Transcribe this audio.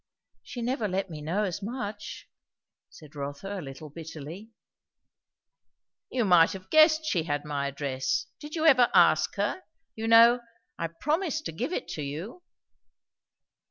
"She never let me know as much," said Rotha a little bitterly. "You might have guessed she had my address. Did you ever ask her? You know, I promised to give it to you?"